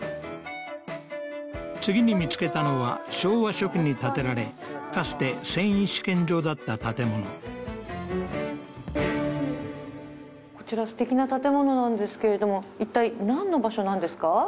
次に見つけたのは昭和初期に建てられかつて繊維試験場だった建物こちら素敵な建物なんですけれども一体何の場所なんですか？